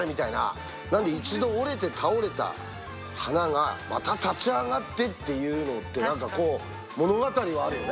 一度折れて倒れた花がまた立ち上がってっていうのって何かこう物語があるよね。